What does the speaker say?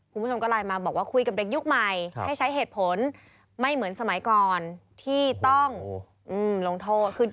คุณผู้ชมก็ไลน์มาบอกว่าคุยกับเด็กยุคใหม่ให้ใช้เหตุผลไม่เหมือนสมัยก่อนที่ต้องลงโทษ